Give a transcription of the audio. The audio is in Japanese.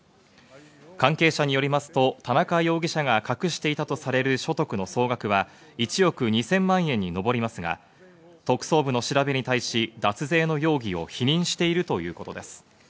関係者によりますと、田中容疑者が隠していたとされる所得の総額は１億２０００万円に上りますが、特捜部の調べに対し脱税の容疑を否認しているということです。